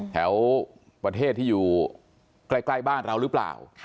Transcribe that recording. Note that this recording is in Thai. แถวประเทศที่อยู่ใกล้บ้านเราหรือเปล่า